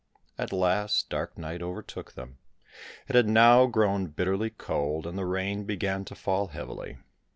At last dark night overtook them. It had now grown bitterly cold, and the rain began to fall heavily.